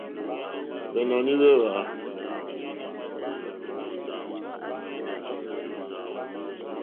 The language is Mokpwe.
Hwènɔ̀ní hwé hwǎ.